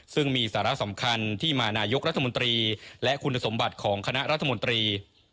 ซึ่งมีสาระสำคัญที่มานายกรัฐมนตรีและคุณสมบัติของคณะรัฐมนตรี